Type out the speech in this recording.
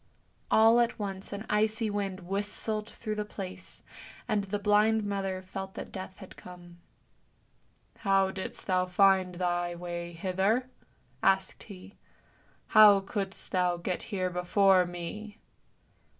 All at once an icy wind whistled through the place, and the blind mother felt that Death had come. " How didst thou find thy way hither? " asked he. " How couldst thou get here before me?